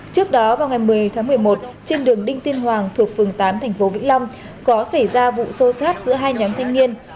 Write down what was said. trước đó vào ngày một mươi tháng một mươi một trên đường đinh tiên hoàng thuộc phường tám thành phố vĩnh long có xảy ra vụ sâu sát giữa hai nhóm thanh niên